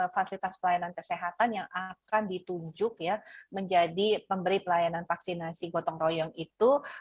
fasilitas pelayanan kesehatan yang akan ditunjuk menjadi pemberi pelayanan vaksinasi gotong royong itu